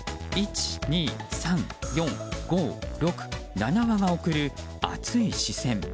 全部で１、２、３、４、５、６７羽が送る熱い視線。